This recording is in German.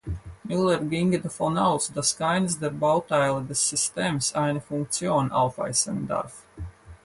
Miller ginge davon aus, dass keines der Bauteile des Systems eine Funktion aufweisen darf.